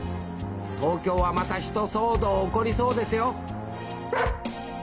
東京はまた一騒動起こりそうですよ！